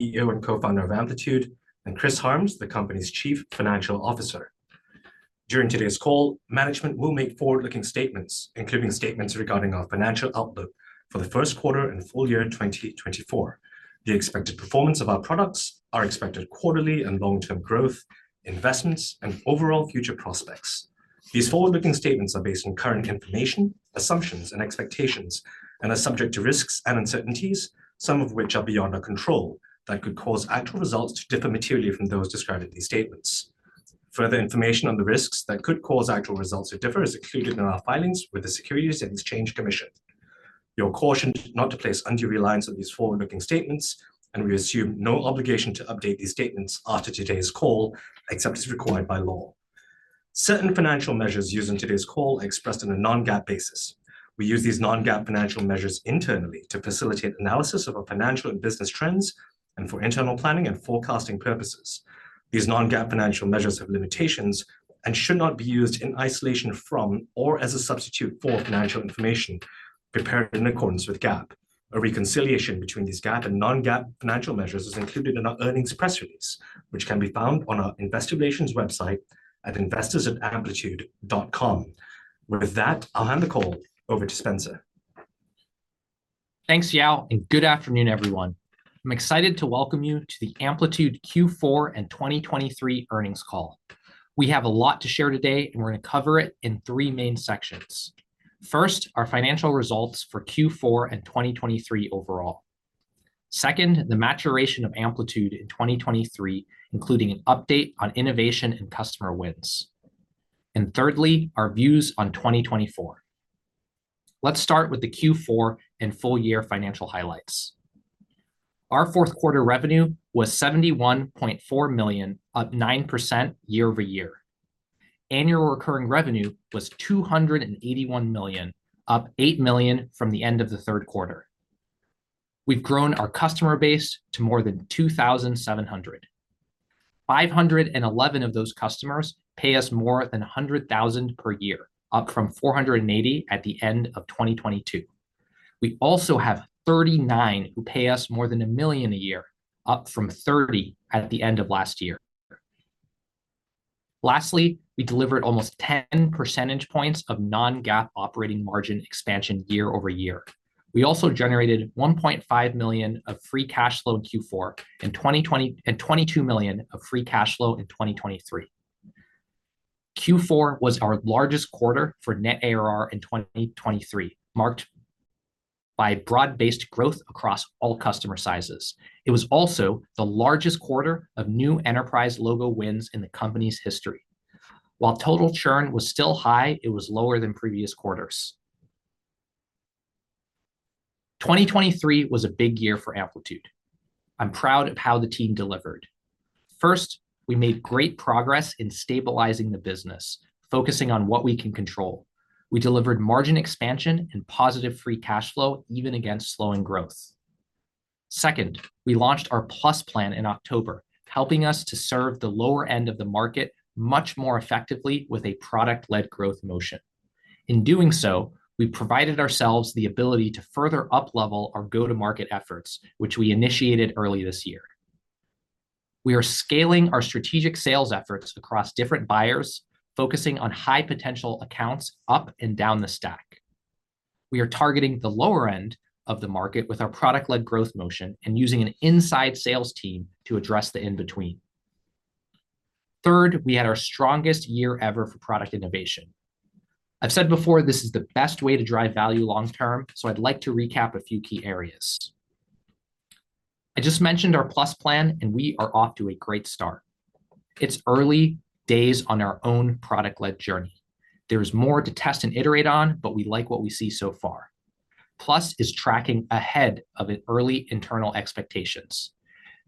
CEO and co-founder of Amplitude, and Chris Harms, the company's Chief Financial Officer. During today's call, management will make forward-looking statements, including statements regarding our financial outlook for the first quarter and full year 2024, the expected performance of our products, our expected quarterly and long-term growth, investments, and overall future prospects. These forward-looking statements are based on current information, assumptions, and expectations, and are subject to risks and uncertainties, some of which are beyond our control, that could cause actual results to differ materially from those described in these statements. Further information on the risks that could cause actual results to differ is included in our filings with the Securities and Exchange Commission. You are cautioned not to place undue reliance on these forward-looking statements, and we assume no obligation to update these statements after today's call, except as required by law. Certain financial measures used in today's call are expressed on a non-GAAP basis. We use these non-GAAP financial measures internally to facilitate analysis of our financial and business trends and for internal planning and forecasting purposes. These non-GAAP financial measures have limitations and should not be used in isolation from, or as a substitute for, financial information prepared in accordance with GAAP. A reconciliation between these GAAP and non-GAAP financial measures is included in our earnings press release, which can be found on our investor relations website at investors.amplitude.com. With that, I'll hand the call over to Spencer. Thanks, Yao, and good afternoon, everyone. I'm excited to welcome you to the Amplitude Q4 and 2023 earnings call. We have a lot to share today, and we're gonna cover it in three main sections. First, our financial results for Q4 and 2023 overall. Second, the maturation of Amplitude in 2023, including an update on innovation and customer wins. Thirdly, our views on 2024. Let's start with the Q4 and full year financial highlights. Our fourth quarter revenue was $71.4 million, up 9% year-over-year. Annual recurring revenue was $281 million, up $8 million from the end of the third quarter. We've grown our customer base to more than 2,700. 511 of those customers pay us more than $100,000 per year, up from 480 at the end of 2022. We also have 39 who pay us more than $1 million a year, up from 30 at the end of last year. Lastly, we delivered almost 10 percentage points of non-GAAP operating margin expansion year-over-year. We also generated $1.5 million of free cash flow in Q4, in 2023 and $22 million of free cash flow in 2023. Q4 was our largest quarter for net ARR in 2023, marked by broad-based growth across all customer sizes. It was also the largest quarter of new enterprise logo wins in the company's history. While total churn was still high, it was lower than previous quarters. 2023 was a big year for Amplitude. I'm proud of how the team delivered. First, we made great progress in stabilizing the business, focusing on what we can control. We delivered margin expansion and positive Free Cash Flow, even against slowing growth. Second, we launched our Plus plan in October, helping us to serve the lower end of the market much more effectively with a Product-Led Growth motion. In doing so, we provided ourselves the ability to further uplevel our go-to-market efforts, which we initiated early this year. We are scaling our strategic sales efforts across different buyers, focusing on high-potential accounts up and down the stack. We are targeting the lower end of the market with our Product-Led Growth motion and using an inside sales team to address the in-between. Third, we had our strongest year ever for product innovation. I've said before, this is the best way to drive value long term, so I'd like to recap a few key areas. I just mentioned our Plus plan, and we are off to a great start. It's early days on our own product-led journey. There is more to test and iterate on, but we like what we see so far. Plus is tracking ahead of its early internal expectations.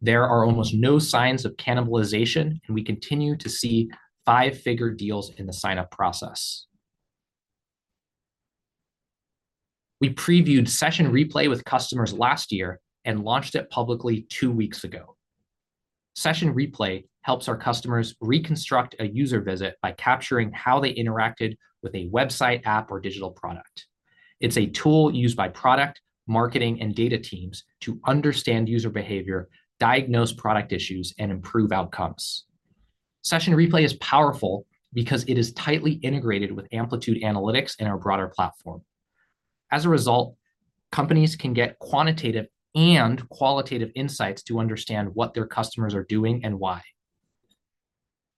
There are almost no signs of cannibalization, and we continue to see five-figure deals in the sign-up process. We previewed Session Replay with customers last year and launched it publicly two weeks ago. Session Replay helps our customers reconstruct a user visit by capturing how they interacted with a website, app, or digital product. It's a tool used by product, marketing, and data teams to understand user behavior, diagnose product issues, and improve outcomes. Session Replay is powerful because it is tightly integrated with Amplitude Analytics and our broader platform. As a result, companies can get quantitative and qualitative insights to understand what their customers are doing and why.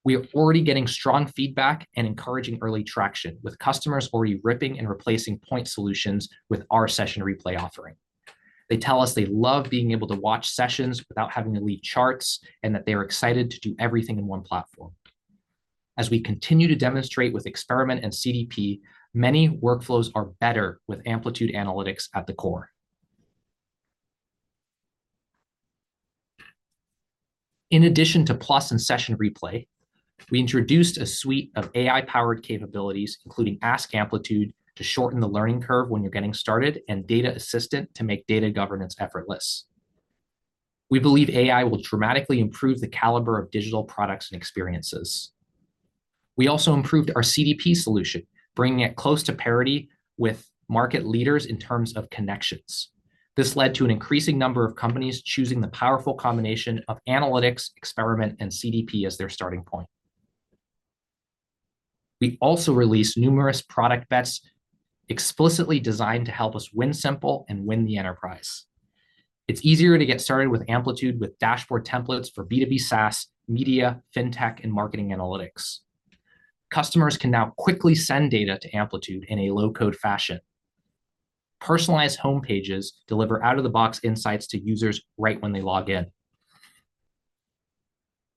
We are already getting strong feedback and encouraging early traction, with customers already ripping and replacing point solutions with our Session Replay offering. They tell us they love being able to watch sessions without having to leave charts and that they are excited to do everything in one platform. As we continue to demonstrate with Experiment and CDP, many workflows are better with Amplitude Analytics at the core. In addition to Plus and Session Replay, we introduced a suite of AI-powered capabilities, including Ask Amplitude, to shorten the learning curve when you're getting started, and Data Assistant to make data governance effortless. We believe AI will dramatically improve the caliber of digital products and experiences.... We also improved our CDP solution, bringing it close to parity with market leaders in terms of connections. This led to an increasing number of companies choosing the powerful combination of analytics, experiment, and CDP as their starting point. We also released numerous product bets explicitly designed to help us win simple and win the enterprise. It's easier to get started with Amplitude, with dashboard templates for B2B SaaS, media, fintech, and marketing analytics. Customers can now quickly send data to Amplitude in a low-code fashion. Personalized homepages deliver out-of-the-box insights to users right when they log in.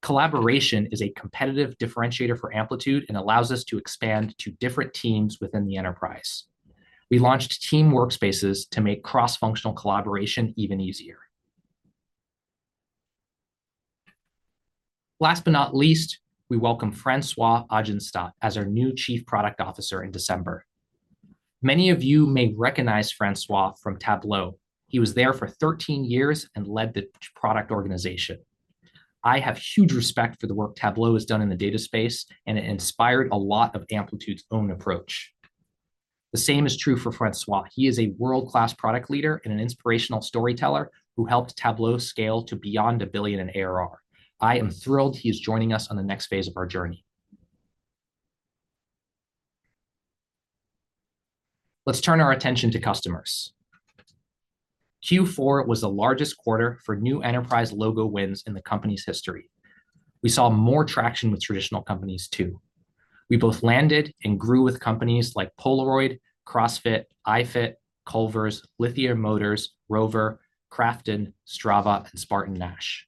Collaboration is a competitive differentiator for Amplitude and allows us to expand to different teams within the enterprise. We launched team workspaces to make cross-functional collaboration even easier. Last but not least, we welcome Francois Ajenstat as our new Chief Product Officer in December. Many of you may recognize Francois from Tableau. He was there for 13 years and led the product organization. I have huge respect for the work Tableau has done in the data space, and it inspired a lot of Amplitude's own approach. The same is true for Francois. He is a world-class product leader and an inspirational storyteller who helped Tableau scale to beyond $1 billion in ARR. I am thrilled he is joining us on the next phase of our journey. Let's turn our attention to customers. Q4 was the largest quarter for new enterprise logo wins in the company's history. We saw more traction with traditional companies, too. We both landed and grew with companies like Polaroid, CrossFit, iFIT, Culver's, Lithia Motors, Rover, Crafton, Strava, and Spartan Nash.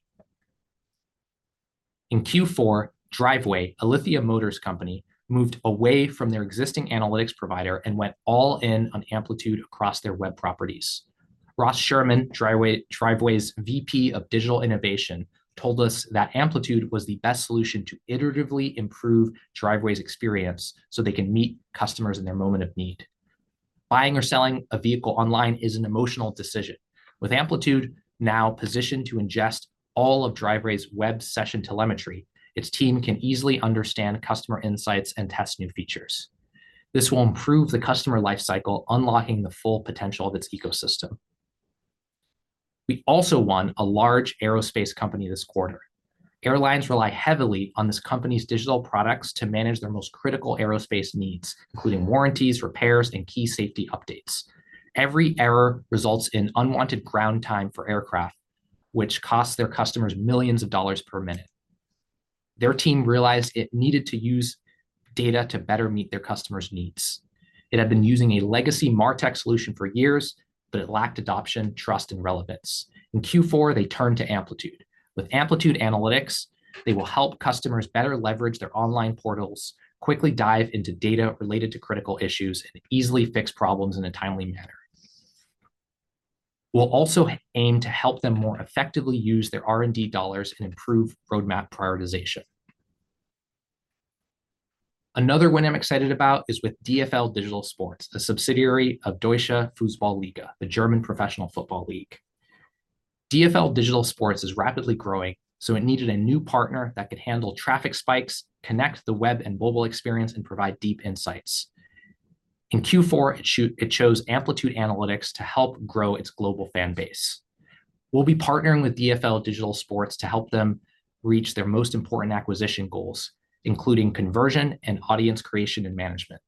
In Q4, Driveway, a Lithia Motors company, moved away from their existing analytics provider and went all in on Amplitude across their web properties. Ross Sherman, Driveway, Driveway's VP of digital innovation, told us that Amplitude was the best solution to iteratively improve Driveway's experience so they can meet customers in their moment of need. Buying or selling a vehicle online is an emotional decision. With Amplitude now positioned to ingest all of Driveway's web session telemetry, its team can easily understand customer insights and test new features. This will improve the customer life cycle, unlocking the full potential of its ecosystem. We also won a large aerospace company this quarter. Airlines rely heavily on this company's digital products to manage their most critical aerospace needs, including warranties, repairs, and key safety updates. Every error results in unwanted ground time for aircraft, which costs their customers $ millions per minute. Their team realized it needed to use data to better meet their customers' needs. It had been using a legacy martech solution for years, but it lacked adoption, trust, and relevance. In Q4, they turned to Amplitude. With Amplitude Analytics, they will help customers better leverage their online portals, quickly dive into data related to critical issues, and easily fix problems in a timely manner. We'll also aim to help them more effectively use their R&D dollars and improve roadmap prioritization. Another one I'm excited about is with DFL Digital Sports, a subsidiary of Deutsche Fußball Liga, the German Professional Football League. DFL Digital Sports is rapidly growing, so it needed a new partner that could handle traffic spikes, connect the web and mobile experience, and provide deep insights. In Q4, it chose Amplitude Analytics to help grow its global fan base. We'll be partnering with DFL Digital Sports to help them reach their most important acquisition goals, including conversion and audience creation and management.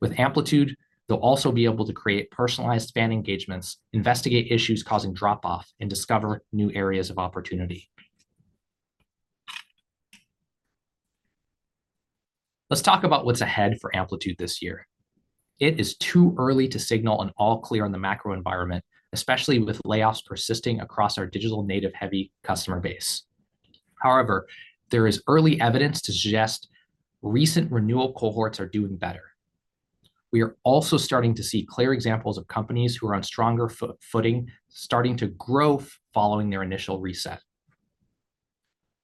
With Amplitude, they'll also be able to create personalized fan engagements, investigate issues causing drop-off, and discover new areas of opportunity. Let's talk about what's ahead for Amplitude this year. It is too early to signal an all clear on the macro environment, especially with layoffs persisting across our digital native-heavy customer base. However, there is early evidence to suggest recent renewal cohorts are doing better. We are also starting to see clear examples of companies who are on stronger footing, starting to grow following their initial reset.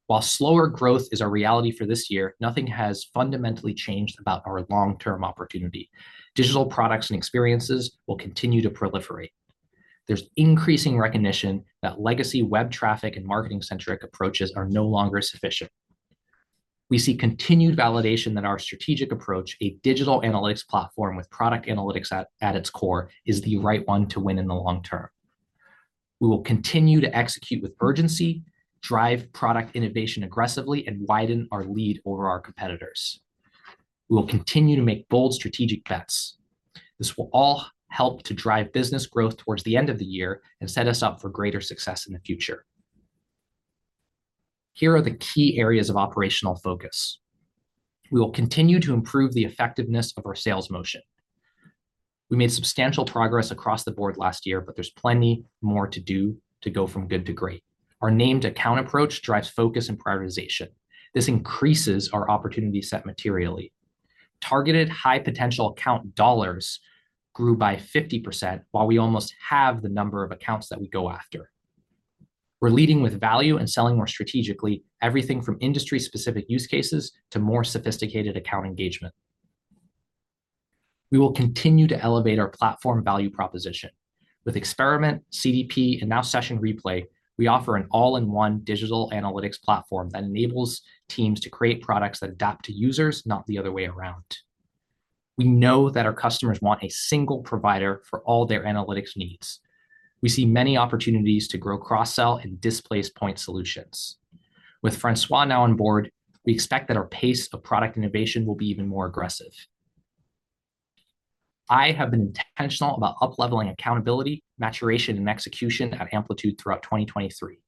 While slower growth is our reality for this year, nothing has fundamentally changed about our long-term opportunity. Digital products and experiences will continue to proliferate. There's increasing recognition that legacy web traffic and marketing-centric approaches are no longer sufficient. We see continued validation that our strategic approach, a digital analytics platform with product analytics at its core, is the right one to win in the long term. We will continue to execute with urgency, drive product innovation aggressively, and widen our lead over our competitors. We will continue to make bold strategic bets. This will all help to drive business growth towards the end of the year and set us up for greater success in the future. Here are the key areas of operational focus. We will continue to improve the effectiveness of our sales motion. We made substantial progress across the board last year, but there's plenty more to do to go from good to great. Our named account approach drives focus and prioritization. This increases our opportunity set materially. Targeted high-potential account dollars grew by 50%, while we almost halved the number of accounts that we go after. We're leading with value and selling more strategically, everything from industry-specific use cases to more sophisticated account engagement. We will continue to elevate our platform value proposition. With Experiment, CDP, and now Session Replay, we offer an all-in-one digital analytics platform that enables teams to create products that adapt to users, not the other way around. We know that our customers want a single provider for all their analytics needs. We see many opportunities to grow cross-sell and displace point solutions. With Francois now on board, we expect that our pace of product innovation will be even more aggressive. I have been intentional about up-leveling accountability, maturation, and execution at Amplitude throughout 2023.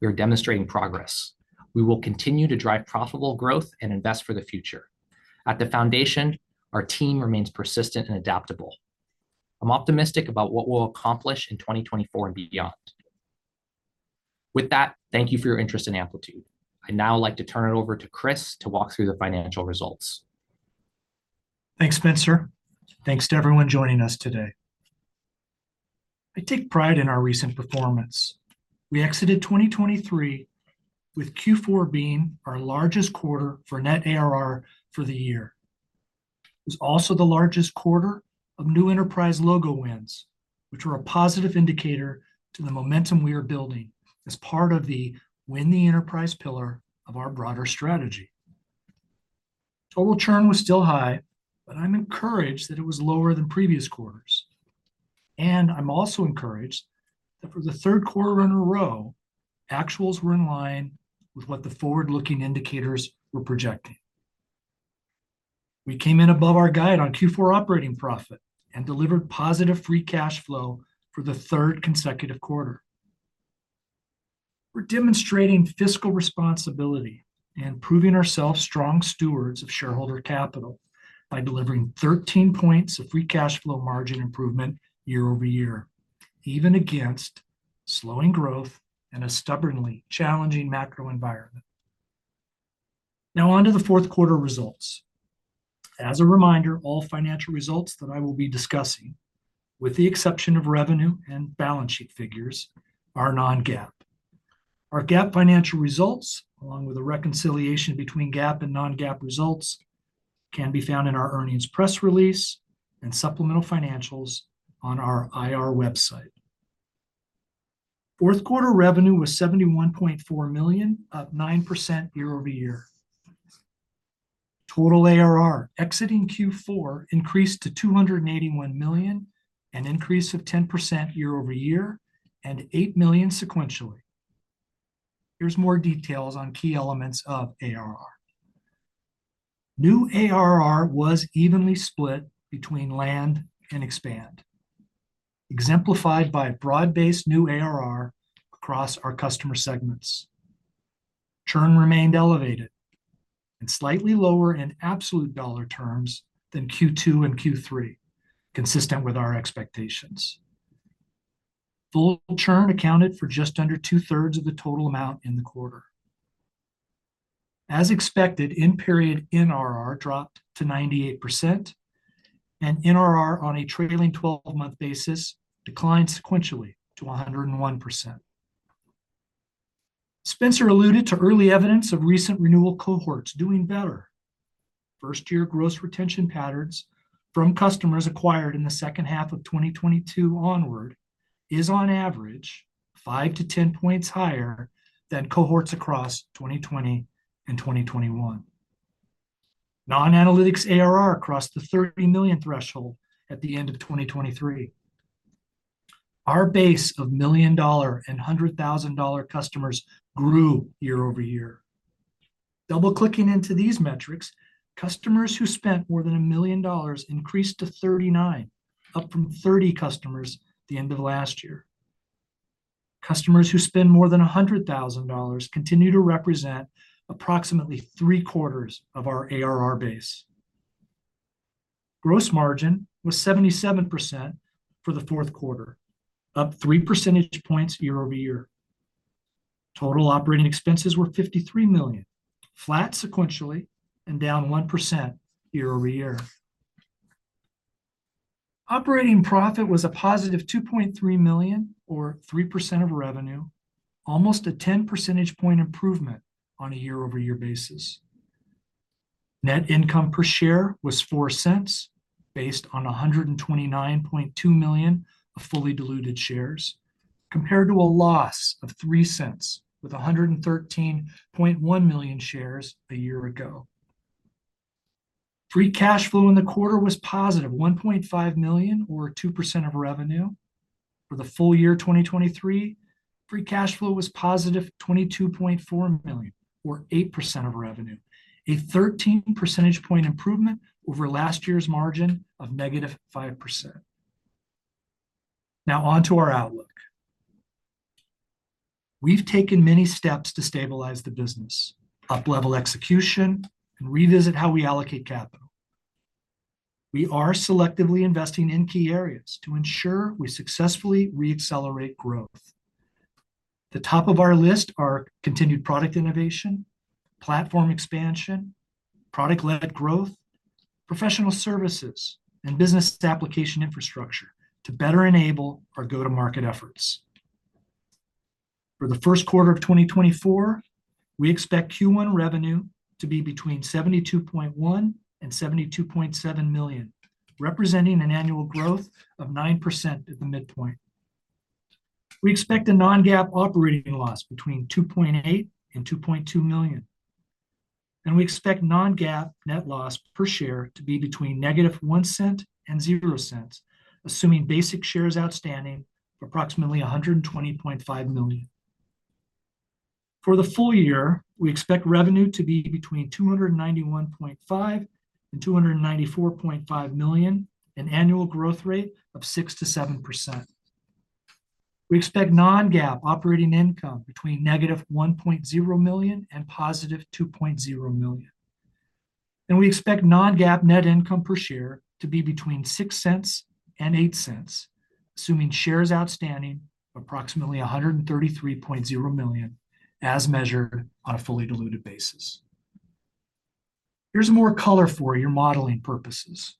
We are demonstrating progress. We will continue to drive profitable growth and invest for the future. At the foundation, our team remains persistent and adaptable. I'm optimistic about what we'll accomplish in 2024 and beyond. With that, thank you for your interest in Amplitude. I'd now like to turn it over to Chris to walk through the financial results. Thanks, Spenser. Thanks to everyone joining us today. I take pride in our recent performance. We exited 2023, with Q4 being our largest quarter for net ARR for the year. It was also the largest quarter of new enterprise logo wins, which were a positive indicator to the momentum we are building as part of the win the enterprise pillar of our broader strategy. Total churn was still high, but I'm encouraged that it was lower than previous quarters, and I'm also encouraged that for the third quarter in a row, actuals were in line with what the forward-looking indicators were projecting. We came in above our guide on Q4 operating profit and delivered positive free cash flow for the third consecutive quarter. We're demonstrating fiscal responsibility and proving ourselves strong stewards of shareholder capital by delivering 13 points of free cash flow margin improvement year-over-year, even against slowing growth and a stubbornly challenging macro environment. Now, on to the fourth quarter results. As a reminder, all financial results that I will be discussing, with the exception of revenue and balance sheet figures, are non-GAAP. Our GAAP financial results, along with a reconciliation between GAAP and non-GAAP results, can be found in our earnings press release and supplemental financials on our IR website. Fourth quarter revenue was $71.4 million, up 9% year-over-year. Total ARR exiting Q4 increased to $281 million, an increase of 10% year-over-year and $8 million sequentially. Here's more details on key elements of ARR. New ARR was evenly split between land and expand, exemplified by broad-based new ARR across our customer segments. Churn remained elevated and slightly lower in absolute dollar terms than Q2 and Q3, consistent with our expectations. Full churn accounted for just under two-thirds of the total amount in the quarter. As expected, in-period NRR dropped to 98%, and NRR on a trailing twelve-month basis declined sequentially to 101%. Spenser alluded to early evidence of recent renewal cohorts doing better. First-year gross retention patterns from customers acquired in the second half of 2022 onward is, on average, 5-10 points higher than cohorts across 2020 and 2021. Non-analytics ARR crossed the $30 million threshold at the end of 2023. Our base of $1 million and $100,000 customers grew year-over-year. Double-clicking into these metrics, customers who spent more than $1 million increased to 39, up from 30 customers at the end of last year. Customers who spend more than $100,000 continue to represent approximately 3/4 of our ARR base. Gross margin was 77% for the fourth quarter, up 3 percentage points year-over-year. Total operating expenses were $53 million, flat sequentially and down 1% year-over-year. Operating profit was a positive $2.3 million, or 3% of revenue, almost a 10 percentage point improvement on a year-over-year basis. Net income per share was $0.04, based on 129.2 million of fully diluted shares, compared to a loss of $0.03, with 113.1 million shares a year ago. Free cash flow in the quarter was positive $1.5 million, or 2% of revenue. For the full year 2023, free cash flow was positive $22.4 million, or 8% of revenue, a 13 percentage point improvement over last year's margin of -5%. Now, on to our outlook. We've taken many steps to stabilize the business, up-level execution, and revisit how we allocate capital. We are selectively investing in key areas to ensure we successfully re-accelerate growth. The top of our list are continued product innovation, platform expansion, product-led growth, professional services, and business application infrastructure to better enable our go-to-market efforts. For the first quarter of 2024, we expect Q1 revenue to be between $72.1 million and $72.7 million, representing an annual growth of 9% at the midpoint. We expect a non-GAAP operating loss between $2.8-$2.2 million, and we expect non-GAAP net loss per share to be between -$0.01 and $0.00, assuming basic shares outstanding of approximately 120.5 million. For the full year, we expect revenue to be between $291.5-$294.5 million, an annual growth rate of 6%-7%. We expect non-GAAP operating income between -$1.0 million and $2.0 million, and we expect non-GAAP net income per share to be between $0.06 and $0.08, assuming shares outstanding of approximately 133.0 million, as measured on a fully diluted basis. Here's more color for your modeling purposes.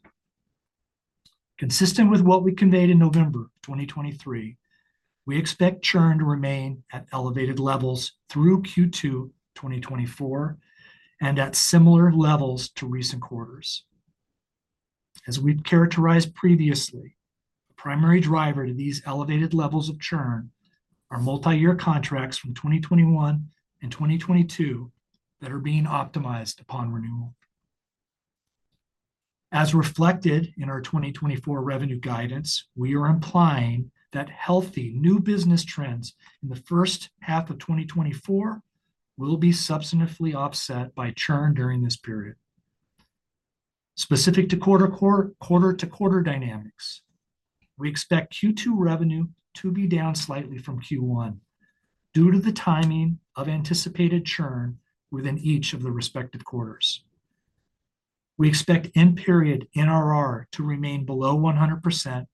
Consistent with what we conveyed in November 2023, we expect churn to remain at elevated levels through Q2 2024, and at similar levels to recent quarters. As we've characterized previously, the primary driver to these elevated levels of churn are multi-year contracts from 2021 and 2022 that are being optimized upon renewal. As reflected in our 2024 revenue guidance, we are implying that healthy new business trends in the first half of 2024 will be substantively offset by churn during this period. Specific to quarter-to-quarter dynamics, we expect Q2 revenue to be down slightly from Q1 due to the timing of anticipated churn within each of the respective quarters. We expect end-period NRR to remain below 100%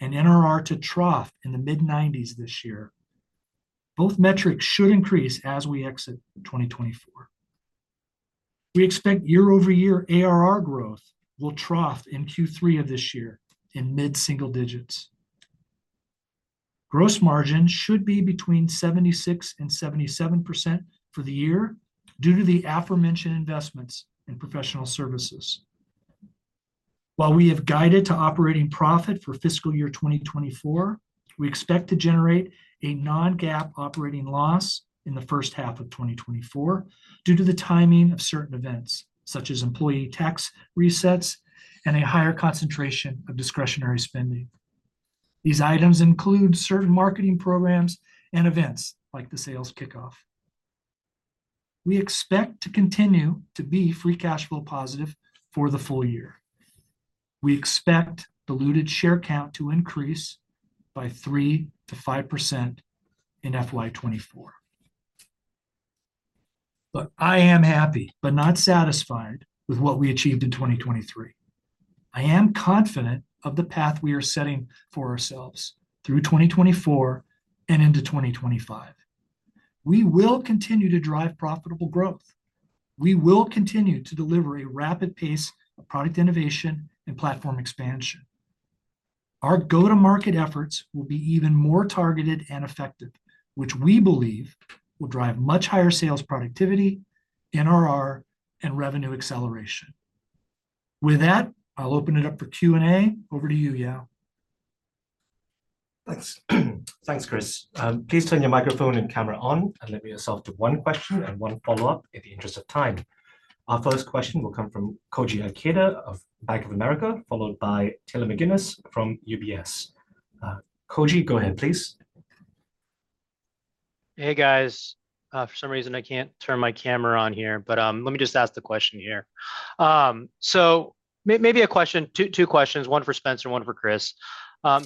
and NRR to trough in the mid-90s this year. Both metrics should increase as we exit 2024. We expect year-over-year ARR growth will trough in Q3 of this year in mid-single digits. Gross margin should be between 76% and 77% for the year due to the aforementioned investments in professional services. While we have guided to operating profit for fiscal year 2024, we expect to generate a non-GAAP operating loss in the first half of 2024 due to the timing of certain events, such as employee tax resets and a higher concentration of discretionary spending. These items include certain marketing programs and events, like the sales kickoff. We expect to continue to be free cash flow positive for the full year. We expect diluted share count to increase by 3%-5% in FY 2024. Look, I am happy but not satisfied with what we achieved in 2023. I am confident of the path we are setting for ourselves through 2024 and into 2025. We will continue to drive profitable growth. We will continue to deliver a rapid pace of product innovation and platform expansion. Our go-to-market efforts will be even more targeted and effective, which we believe will drive much higher sales productivity, NRR, and revenue acceleration. With that, I'll open it up for Q&A. Over to you, Yao. Thanks. Thanks, Chris. Please turn your microphone and camera on and limit yourself to one question and one follow-up, in the interest of time. Our first question will come from Koji Ikeda of Bank of America, followed by Taylor McGinnis from UBS. Koji, go ahead, please. Hey, guys. For some reason, I can't turn my camera on here, but let me just ask the question here. So maybe a question. Two questions, one for Spenser, one for Chris.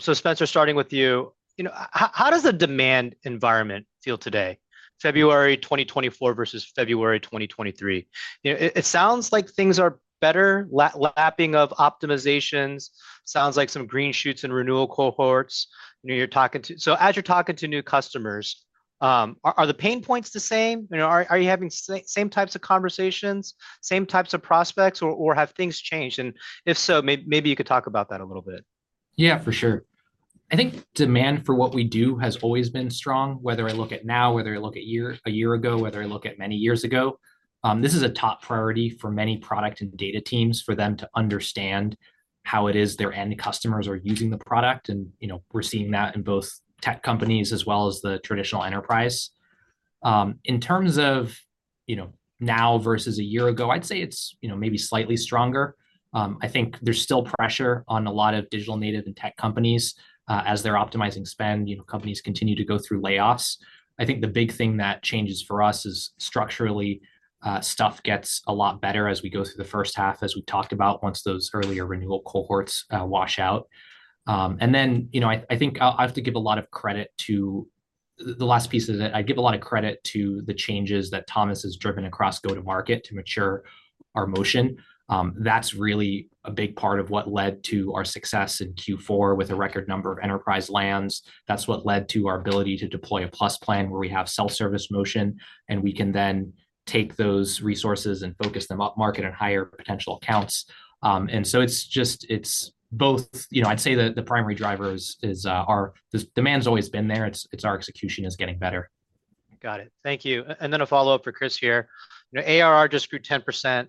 So Spenser, starting with you, you know, how does the demand environment feel today, February 2024 versus February 2023? You know, it sounds like things are better, lapsing of optimizations. Sounds like some green shoots and renewal cohorts. I know you're talking to so as you're talking to new customers, are the pain points the same? You know, are you having same types of conversations, same types of prospects, or have things changed? And if so, maybe you could talk about that a little bit. Yeah, for sure. I think demand for what we do has always been strong, whether I look at now, whether I look at a year ago, whether I look at many years ago. This is a top priority for many product and data teams, for them to understand how it is their end customers are using the product. And, you know, we're seeing that in both tech companies as well as the traditional enterprise. In terms of, you know, now versus a year ago, I'd say it's, you know, maybe slightly stronger. I think there's still pressure on a lot of digital, native, and tech companies, as they're optimizing spend. You know, companies continue to go through layoffs. I think the big thing that changes for us is, structurally, stuff gets a lot better as we go through the first half, as we talked about, once those earlier renewal cohorts wash out. And then, you know, I, I think I, I have to give a lot of credit to... The, the last piece is that I give a lot of credit to the changes that Thomas has driven across go-to-market to mature our motion. That's really a big part of what led to our success in Q4, with a record number of enterprise lands. That's what led to our ability to deploy a Plus plan, where we have self-service motion, and we can then take those resources and focus them upmarket and higher potential accounts. And so it's both, you know. I'd say the primary driver is the demand's always been there. It's our execution is getting better.... Got it. Thank you. And then a follow-up for Chris here. You know, ARR just grew 10%,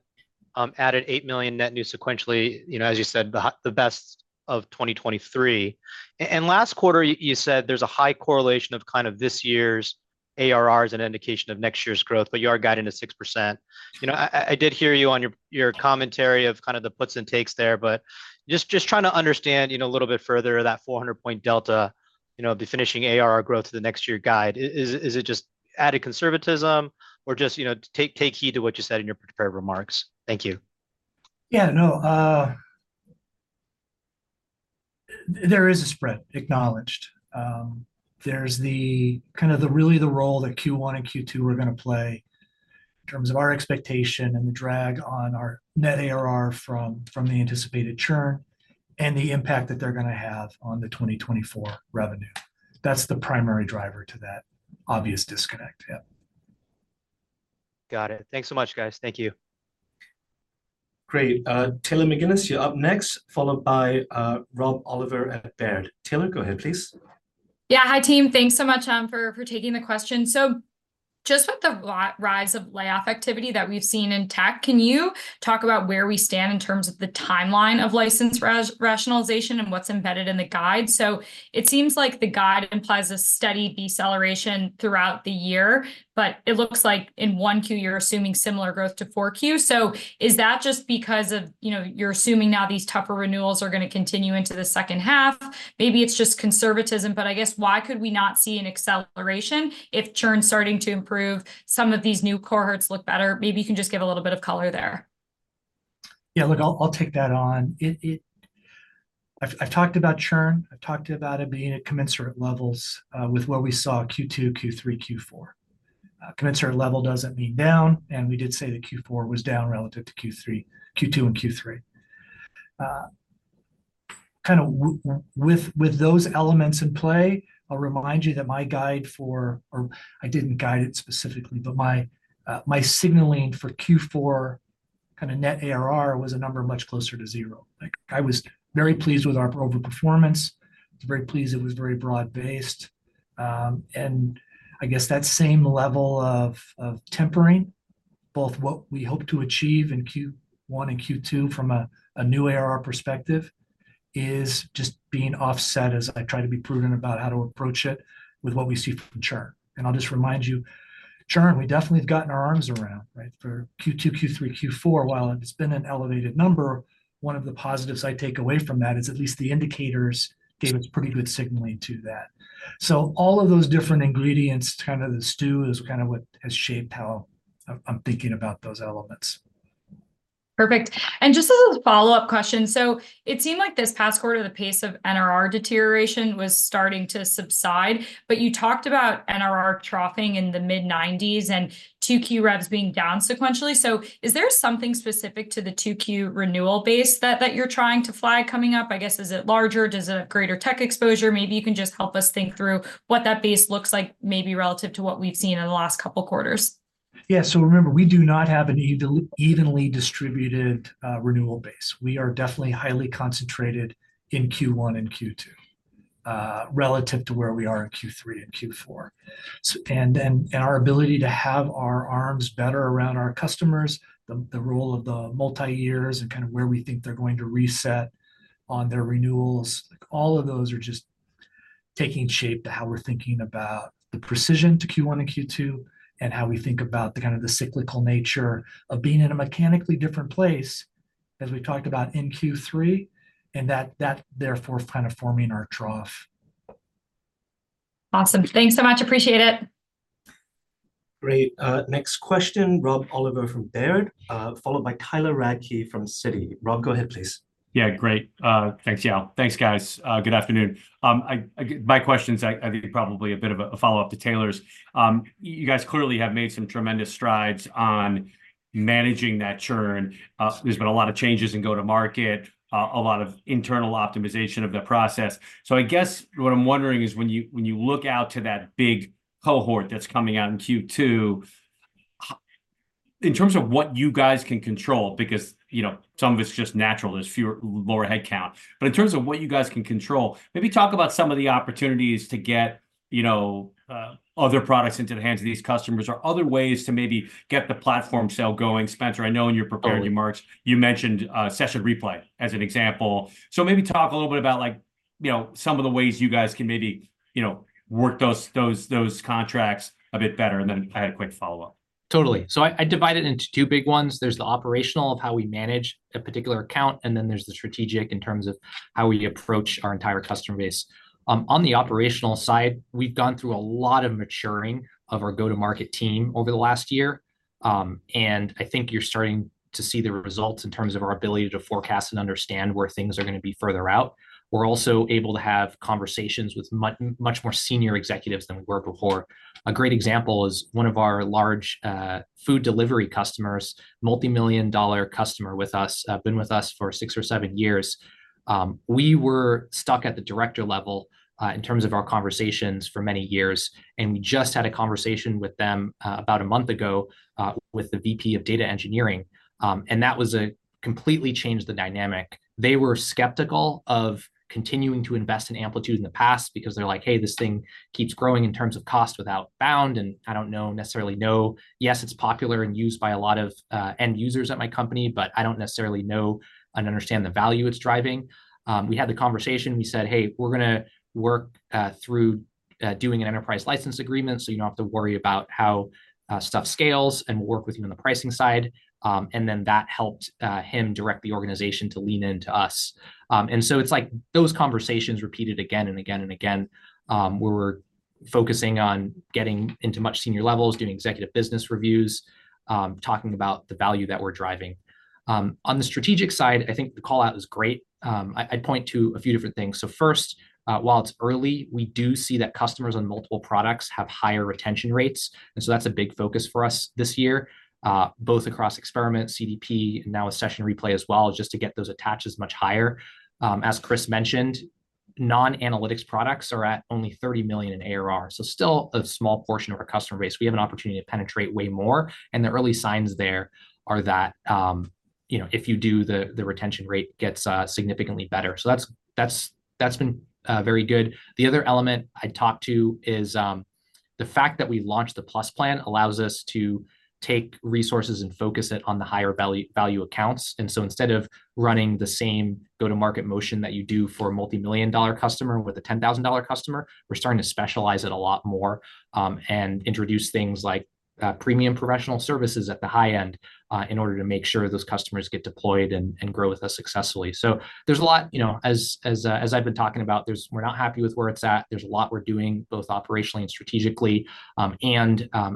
added $8 million net new sequentially, you know, as you said, the best of 2023. And last quarter, you said there's a high correlation of kind of this year's ARR as an indication of next year's growth, but you are guiding to 6%. You know, I did hear you on your commentary of kind of the puts and takes there, but just trying to understand, you know, a little bit further, that 400-point delta, you know, the finishing ARR growth to the next year guide. Is it just added conservatism or just, you know, take heed to what you said in your prepared remarks? Thank you. Yeah, no, there is a spread, acknowledged. There's kind of really the role that Q1 and Q2 are gonna play in terms of our expectation and the drag on our net ARR from the anticipated churn, and the impact that they're gonna have on the 2024 revenue. That's the primary driver to that obvious disconnect. Yeah. Got it. Thanks so much, guys. Thank you. Great. Taylor McGinnis, you're up next, followed by, Rob Oliver at Baird. Taylor, go ahead, please. Yeah. Hi, team. Thanks so much for taking the question. So just with the rise of layoff activity that we've seen in tech, can you talk about where we stand in terms of the timeline of licensed rationalization and what's embedded in the guide? So it seems like the guide implies a steady deceleration throughout the year, but it looks like in Q1, you're assuming similar growth to Q4. So is that just because of, you know, you're assuming now these tougher renewals are gonna continue into the second half? Maybe it's just conservatism, but I guess why could we not see an acceleration if churn's starting to improve, some of these new cohorts look better? Maybe you can just give a little bit of color there. Yeah, look, I'll take that on. It... I've talked about churn, I've talked about it being at commensurate levels, with what we saw Q2, Q3, Q4. Commensurate level doesn't mean down, and we did say that Q4 was down relative to Q3, Q2 and Q3. Kind of with those elements in play, I'll remind you that my guide for, or I didn't guide it specifically, but my signaling for Q4 kind of net ARR was a number much closer to zero. Like, I was very pleased with our overperformance, very pleased it was very broad-based. And I guess that same level of tempering, both what we hope to achieve in Q1 and Q2 from a new ARR perspective, is just being offset as I try to be prudent about how to approach it with what we see from churn. I'll just remind you, churn, we definitely have gotten our arms around, right? For Q2, Q3, Q4, while it's been an elevated number, one of the positives I take away from that is at least the indicators gave us pretty good signaling to that. So all of those different ingredients, kind of the stew, is kind of what has shaped how I'm thinking about those elements. Perfect. Just as a follow-up question: So it seemed like this past quarter, the pace of NRR deterioration was starting to subside, but you talked about NRR troughing in the mid-90s% and two key reps being down sequentially. So is there something specific to the Q2 renewal base that you're flagging coming up? I guess, is it larger? Does it have greater tech exposure? Maybe you can just help us think through what that base looks like, maybe relative to what we've seen in the last couple quarters. Yeah. So remember, we do not have an evenly distributed renewal base. We are definitely highly concentrated in Q1 and Q2 relative to where we are in Q3 and Q4. So, our ability to have our arms better around our customers, the role of the multi-years, and kind of where we think they're going to reset on their renewals, all of those are just taking shape to how we're thinking about the precision to Q1 and Q2, and how we think about the kind of the cyclical nature of being in a mechanically different place, as we talked about in Q3, and that therefore kind of forming our trough. Awesome. Thanks so much. Appreciate it. Great. Next question, Rob Oliver from Baird, followed by Tyler Radke from Citi. Rob, go ahead, please. Yeah, great. Thanks, y'all. Thanks, guys. Good afternoon. My question is, I think probably a bit of a follow-up to Taylor's. You guys clearly have made some tremendous strides on managing that churn. There's been a lot of changes in go-to-market, a lot of internal optimization of that process. So I guess what I'm wondering is, when you look out to that big cohort that's coming out in Q2, in terms of what you guys can control, because, you know, some of it's just natural, there's fewer, lower headcount. But in terms of what you guys can control, maybe talk about some of the opportunities to get, you know, other products into the hands of these customers, or other ways to maybe get the platform sale going. Spenser, I know in your prepared remarks- Oh... you mentioned, Session Replay as an example. So maybe talk a little bit about like, you know, some of the ways you guys can maybe, you know, work those contracts a bit better, and then I had a quick follow-up. Totally. So I divide it into two big ones. There's the operational of how we manage a particular account, and then there's the strategic in terms of how we approach our entire customer base. On the operational side, we've gone through a lot of maturing of our go-to-market team over the last year.... and I think you're starting to see the results in terms of our ability to forecast and understand where things are gonna be further out. We're also able to have conversations with much more senior executives than we were before. A great example is one of our large, food delivery customers, multimillion-dollar customer with us, been with us for 6 or 7 years. We were stuck at the director level, in terms of our conversations for many years, and we just had a conversation with them, about a month ago, with the VP of data engineering. And that was completely changed the dynamic. They were skeptical of continuing to invest in Amplitude in the past because they're like, "Hey, this thing keeps growing in terms of cost without bound, and I don't necessarily know. Yes, it's popular and used by a lot of end users at my company, but I don't necessarily know and understand the value it's driving." We had the conversation, we said, "Hey, we're gonna work through doing an Enterprise License Agreement, so you don't have to worry about how stuff scales, and we'll work with you on the pricing side." And then that helped him direct the organization to lean into us. And so it's like those conversations repeated again and again, and again, where we're focusing on getting into much senior levels, doing executive business reviews, talking about the value that we're driving. On the strategic side, I think the call-out is great. I'd point to a few different things. So first, while it's early, we do see that customers on multiple products have higher retention rates, and so that's a big focus for us this year, both across Experiment, CDP, and now with Session Replay as well, just to get those attaches much higher. As Chris mentioned, non-analytics products are at only $30 million in ARR, so still a small portion of our customer base. We have an opportunity to penetrate way more, and the early signs there are that, you know, if you do, the, the retention rate gets significantly better. So that's, that's, that's been very good. The other element I'd talk to is, the fact that we launched the Plus plan allows us to take resources and focus it on the higher value, value accounts. Instead of running the same go-to-market motion that you do for a multimillion-dollar customer with a $10,000 customer, we're starting to specialize it a lot more, and introduce things like premium professional services at the high end, in order to make sure those customers get deployed and grow with us successfully. So there's a lot, you know, as I've been talking about. There's we're not happy with where it's at. There's a lot we're doing, both operationally and strategically.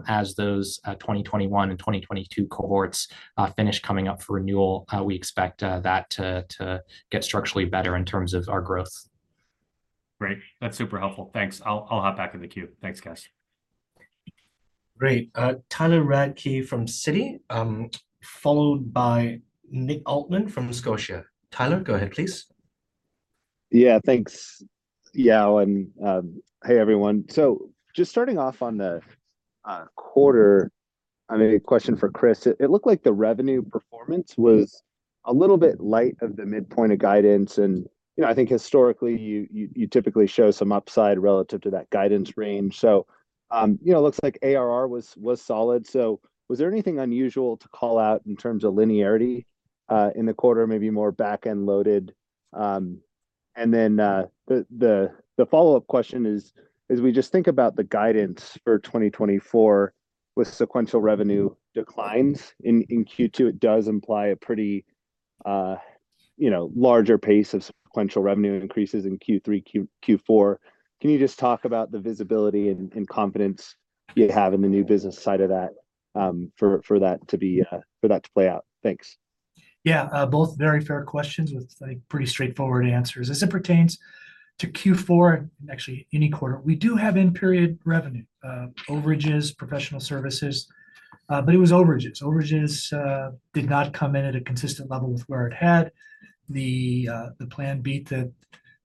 As those 2021 and 2022 cohorts finish coming up for renewal, we expect that to get structurally better in terms of our growth. Great. That's super helpful. Thanks. I'll hop back in the queue. Thanks, guys. Great. Tyler Radke from Citi, followed by Nick Altman from Scotia. Tyler, go ahead, please. Yeah, thanks. Yeah, and hey, everyone. So just starting off on the quarter, I mean, a question for Chris. It looked like the revenue performance was a little bit light of the midpoint of guidance. And, you know, I think historically, you typically show some upside relative to that guidance range. So, you know, it looks like ARR was solid. So was there anything unusual to call out in terms of linearity in the quarter? Maybe more back-end loaded. And then the follow-up question is, as we just think about the guidance for 2024, with sequential revenue declines in Q2, it does imply a pretty, you know, larger pace of sequential revenue increases in Q3, Q4. Can you just talk about the visibility and confidence you have in the new business side of that, for that to play out? Thanks. Yeah, both very fair questions with, like, pretty straightforward answers. As it pertains to Q4, and actually any quarter, we do have in-period revenue overages, professional services, but it was overages. Overages did not come in at a consistent level with where it had. The plan beat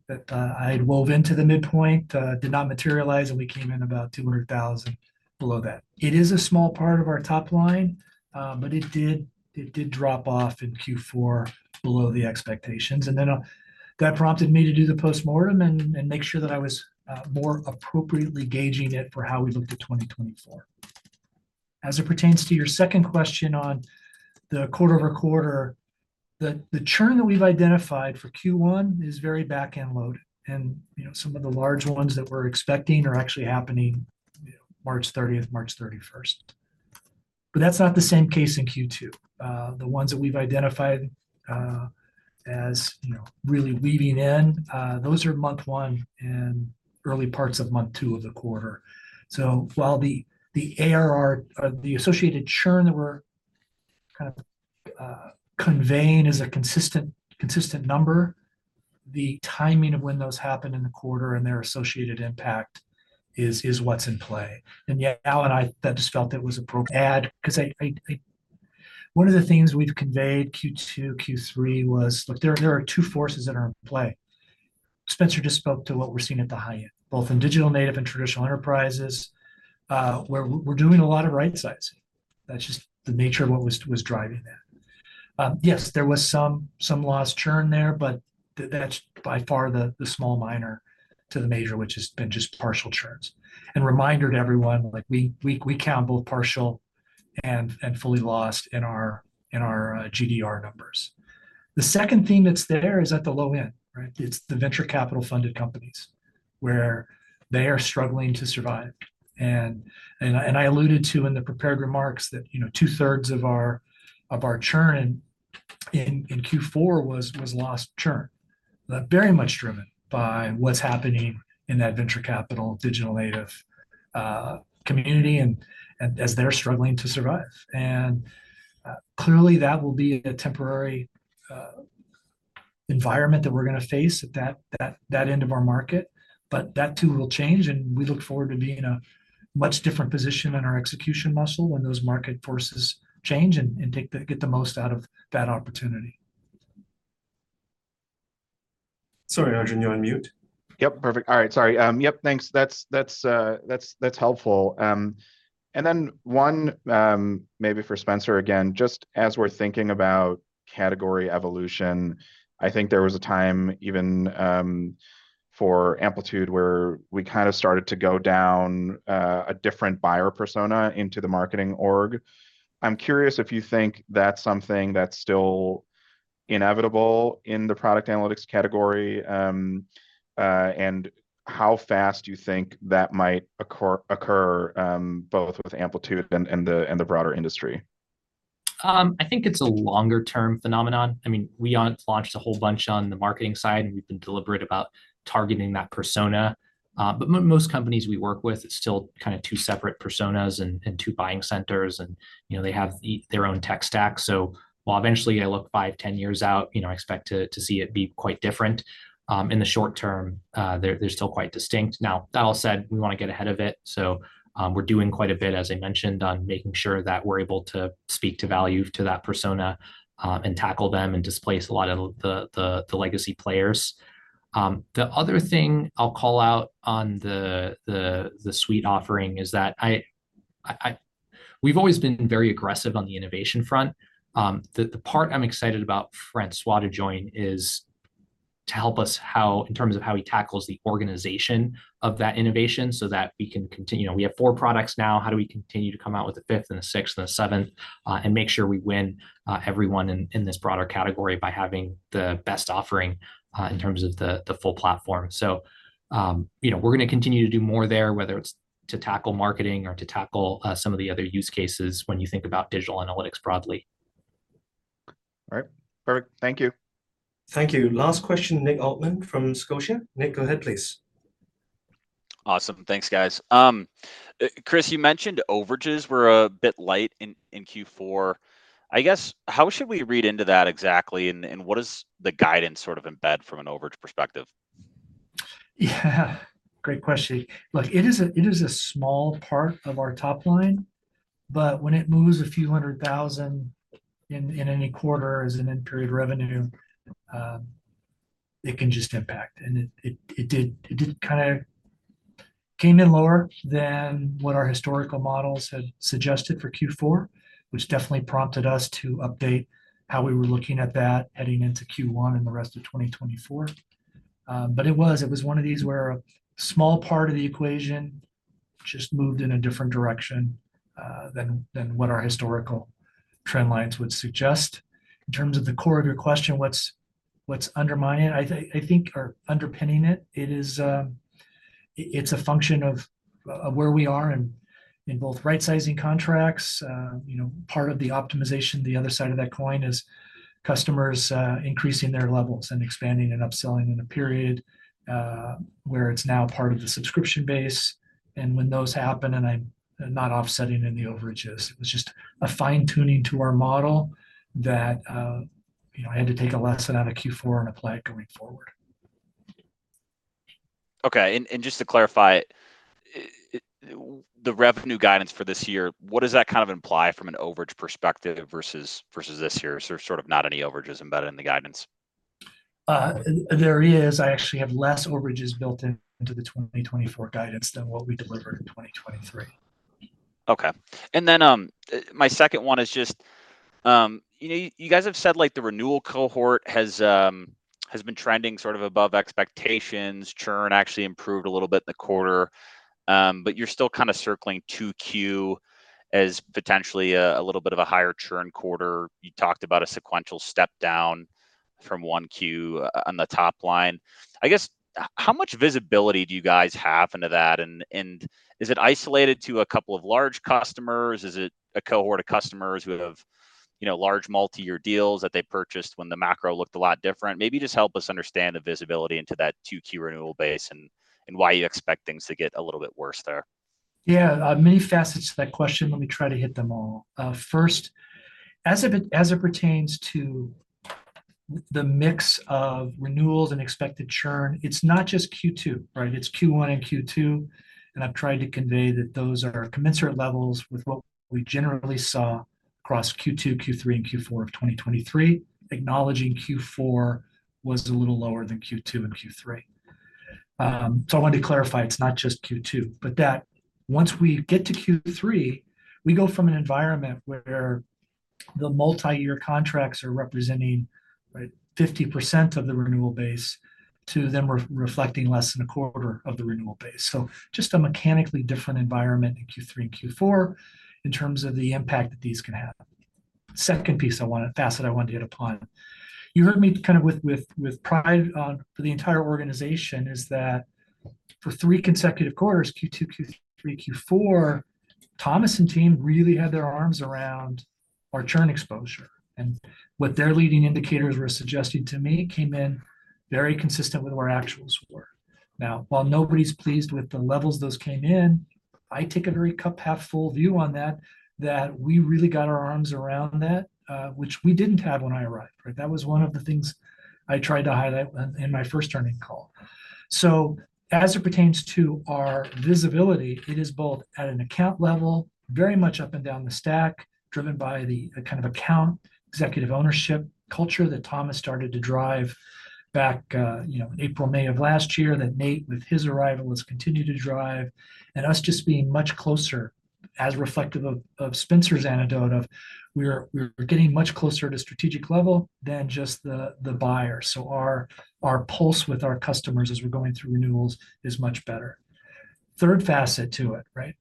that I had wove into the midpoint did not materialize, and we came in about $200,000 below that. It is a small part of our top line, but it did drop off in Q4 below the expectations. And then, that prompted me to do the postmortem and make sure that I was more appropriately gauging it for how we looked at 2024. As it pertains to your second question on the quarter-over-quarter, the churn that we've identified for Q1 is very back-end loaded, and, you know, some of the large ones that we're expecting are actually happening, March thirtieth, March thirty-first. But that's not the same case in Q2. The ones that we've identified, as, you know, really weaving in, those are month 1 and early parts of month 2 of the quarter. So while the ARR or the associated churn that we're kind of conveying is a consistent, consistent number, the timing of when those happen in the quarter and their associated impact is what's in play. And yet, Al and I just felt it was appropriate to add, 'cause... One of the things we've conveyed, Q2, Q3, was, look, there are two forces that are in play. Spenser just spoke to what we're seeing at the high end, both in digital native and traditional enterprises, where we're doing a lot of right-sizing. That's just the nature of what was driving that. Yes, there was some lost churn there, but that's by far the small minor to the major, which has been just partial churns. And reminder to everyone, like we count both partial and fully lost in our GDR numbers. The second theme that's there is at the low end, right? It's the venture capital-funded companies, where they are struggling to survive. And I alluded to in the prepared remarks that, you know, two-thirds of our churn- ... in Q4 was lost churn, but very much driven by what's happening in that venture capital, digital native community, and as they're struggling to survive. And clearly, that will be a temporary environment that we're gonna face at that end of our market, but that too will change, and we look forward to being in a much different position in our execution muscle when those market forces change, and get the most out of that opportunity. Sorry, Arjun, you're on mute. Yep, perfect. All right, sorry. Yep, thanks. That's, that's helpful. And then one, maybe for Spenser again, just as we're thinking about category evolution, I think there was a time even for Amplitude, where we kind of started to go down a different buyer persona into the marketing org. I'm curious if you think that's something that's still inevitable in the product analytics category, and how fast do you think that might occur, both with Amplitude and the broader industry? I think it's a longer-term phenomenon. I mean, we launched a whole bunch on the marketing side, and we've been deliberate about targeting that persona. But most companies we work with, it's still kinda two separate personas and two buying centers, and, you know, they have their own tech stack. So while eventually I look 5, 10 years out, you know, I expect to see it be quite different, in the short term, they're still quite distinct. Now, that all said, we wanna get ahead of it, so, we're doing quite a bit, as I mentioned, on making sure that we're able to speak to value to that persona, and tackle them and displace a lot of the legacy players. The other thing I'll call out on the suite offering is that we've always been very aggressive on the innovation front. The part I'm excited about for Ed Swadd to join is to help us in terms of how he tackles the organization of that innovation so that we can continue. You know, we have four products now, how do we continue to come out with a fifth, and a sixth, and a seventh, and make sure we win everyone in this broader category by having the best offering in terms of the full platform? So, you know, we're gonna continue to do more there, whether it's to tackle marketing or to tackle some of the other use cases when you think about digital analytics broadly. All right. Perfect. Thank you. Thank you. Last question, Nick Altman from Scotia. Nick, go ahead, please. Awesome. Thanks, guys. Chris, you mentioned overages were a bit light in Q4. I guess, how should we read into that exactly, and what is the guidance sort of embed from an overage perspective? Yeah, great question. Look, it is a small part of our top line, but when it moves a few hundred thousand in any quarter as an end-period revenue, it can just impact. And it did come in lower than what our historical models had suggested for Q4, which definitely prompted us to update how we were looking at that heading into Q1 and the rest of 2024. But it was one of these where a small part of the equation just moved in a different direction than what our historical trend lines would suggest. In terms of the core of your question, what's undermining it, I think, or underpinning it, it is, it's a function of where we are in both right-sizing contracts, you know, part of the optimization. The other side of that coin is customers increasing their levels and expanding and upselling in a period where it's now part of the subscription base. And when those happen, and I'm not offsetting any overages, it was just a fine-tuning to our model that, you know, I had to take a lesson out of Q4 and apply it going forward. Okay, and just to clarify, the revenue guidance for this year, what does that kind of imply from an overage perspective versus this year? So sort of not any overages embedded in the guidance. There is. I actually have less overages built into the 2024 guidance than what we delivered in 2023. Okay. And then, my second one is just, you know, you guys have said, like, the renewal cohort has been trending sort of above expectations. Churn actually improved a little bit in the quarter, but you're still kinda circling 2Q as potentially a little bit of a higher churn quarter. You talked about a sequential step down from 1Q on the top line. I guess, how much visibility do you guys have into that, and is it isolated to a couple of large customers, or is it a cohort of customers who have, you know, large multi-year deals that they purchased when the macro looked a lot different? Maybe just help us understand the visibility into that two-tier renewal base and why you expect things to get a little bit worse there. Yeah, many facets to that question, let me try to hit them all. First, as it, as it pertains to the mix of renewals and expected churn, it's not just Q2, right? It's Q1 and Q2, and I've tried to convey that those are commensurate levels with what we generally saw across Q2, Q3, and Q4 of 2023. Acknowledging Q4 was a little lower than Q2 and Q3. So I wanted to clarify, it's not just Q2, but that once we get to Q3, we go from an environment where the multi-year contracts are representing, right, 50% of the renewal base, to them re-reflecting less than a quarter of the renewal base. So just a mechanically different environment in Q3 and Q4 in terms of the impact that these can have. Second facet I wanted to hit upon, you heard me kind of with pride for the entire organization, is that for three consecutive quarters, Q2, Q3, Q4, Thomas and team really had their arms around our churn exposure. And what their leading indicators were suggesting to me came in very consistent with where our actuals were. Now, while nobody's pleased with the levels those came in, I take a very cup half full view on that, that we really got our arms around that, which we didn't have when I arrived, right? That was one of the things I tried to highlight when in my first earnings call. So as it pertains to our visibility, it is both at an account level, very much up and down the stack, driven by the kind of account executive ownership culture that Thomas started to drive back, you know, in April, May of last year, that Nate, with his arrival, has continued to drive. And us just being much closer, as reflective of Spencer's anecdote, we're getting much closer to strategic level than just the buyer. So our pulse with our customers as we're going through renewals is much better. Third facet to it, right,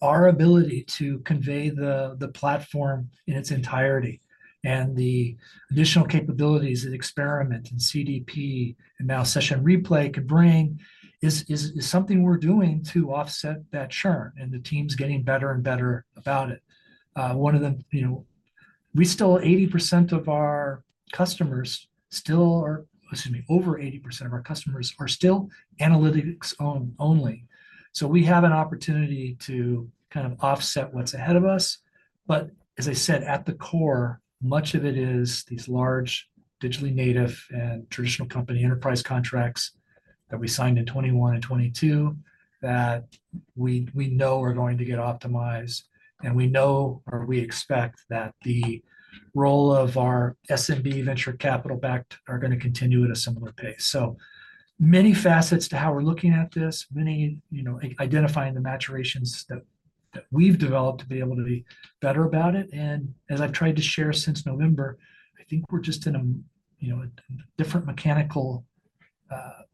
our ability to convey the platform in its entirety and the additional capabilities that Experiment and CDP, and now Session Replay could bring, is something we're doing to offset that churn, and the team's getting better and better about it. One of the, you know... We still, 80% of our customers still are, excuse me, over 80% of our customers are still analytics-only. So we have an opportunity to kind of offset what's ahead of us. But as I said, at the core, much of it is these large, digitally native and traditional company enterprise contracts that we signed in 2021 and 2022, that we know are going to get optimized, and we know, or we expect, that the role of our SMB venture capital backed are gonna continue at a similar pace. So many facets to how we're looking at this, many, you know, identifying the maturations that we've developed to be able to be better about it. And as I've tried to share since November, I think we're just in a, you know, a different mechanical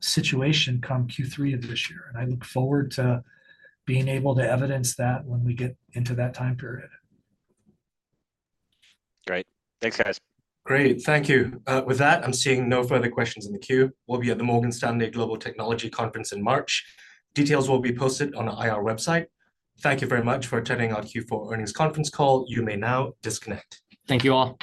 situation come Q3 of this year. I look forward to being able to evidence that when we get into that time period. Great. Thanks, guys. Great, thank you. With that, I'm seeing no further questions in the queue. We'll be at the Morgan Stanley Global Technology Conference in March. Details will be posted on our IR website. Thank you very much for attending our Q4 earnings conference call. You may now disconnect. Thank you, all.